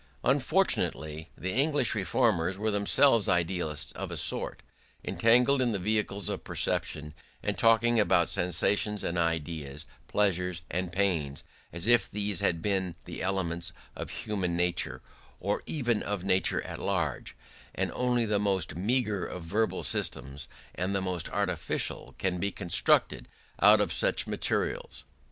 Unfortunately the English reformers were themselves idealists of a sort, entangled in the vehicles of perception, and talking about sensations and ideas, pleasures and pains, as if these had been the elements of human nature, or even of nature at large: and only the most meagre of verbal systems, and the most artificial, can be constructed out of such materials.